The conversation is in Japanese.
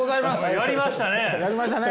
やりましたね。